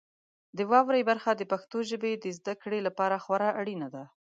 د واورئ برخه د پښتو ژبې د زده کړې لپاره خورا اړینه ده.